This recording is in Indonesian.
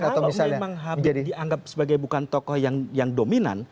kalau memang habib dianggap sebagai bukan tokoh yang dominan